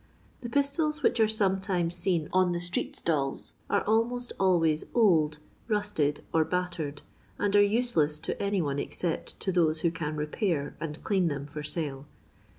The pistols which are sometimes seen on the stree^stal!s are almost always old, rusted, or bat tered, and are useleu to any one except to those who can repair and clean them for sale.